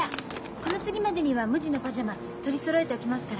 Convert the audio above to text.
この次までには無地のパジャマ取りそろえておきますから。